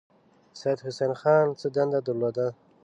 سید حسن خان څه دنده درلوده.